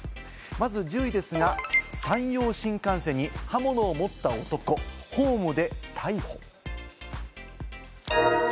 まず１０位ですが、山陽新幹線に刃物を持った男、ホームで逮捕。